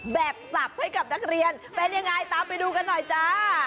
แบบสับให้กับนักเรียนเป็นยังไงตามไปดูกันหน่อยจ้า